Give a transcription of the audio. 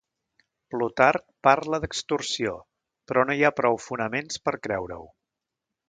Plutarc parla d'extorsió, però no hi ha prou fonaments per creure-ho.